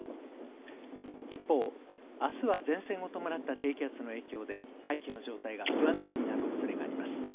一方、あすは前線を伴った低気圧の影響で大気の状態が不安定になるおそれがあります。